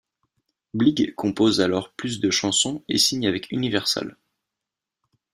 Bligg compose alors plus de chansons et signe avec Universal.